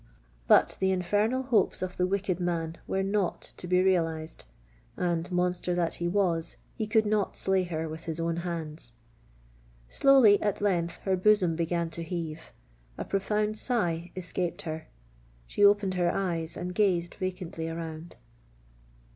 But the infernal hopes of the wicked man were not to be realized;—and, monster that he was, he could not slay her with his own hands! Slowly, at length, her bosom began to heave—a profound sigh escaped her—she opened her eyes, and gazed vacantly around.